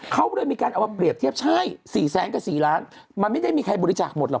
เขาเลยมีการเอามาเปรียบเทียบใช่๔แสนกับ๔ล้านมันไม่ได้มีใครบริจาคหมดหรอ